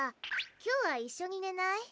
今日は一緒に寝ない？